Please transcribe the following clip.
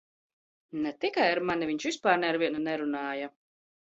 Ne tikai ar mani - viņš vispār ne ar vienu nerunāja.